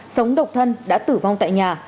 sống độc thân đã tử vong tại nhà